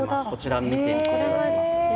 こちら見て頂けます。